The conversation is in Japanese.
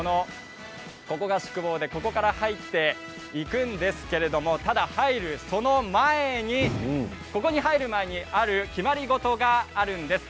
ここが宿坊でここから入っていくんですけれどもただ、入るその前にここに入る前にある決まり事があるんです。